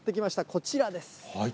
こちらです。